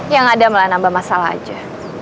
yang ada malah nambah masalah aja